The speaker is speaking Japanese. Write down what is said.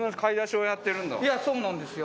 いやそうなんですよ。